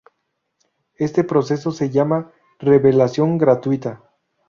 Este proceso se llama "revelación gratuita".